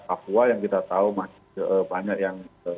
papua yang kita tahu masih banyak yang